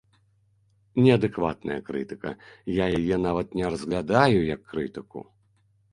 Неадэкватная крытыка, я яе нават не разглядаю як крытыку.